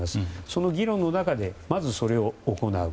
その議論の中でまずそれを行う。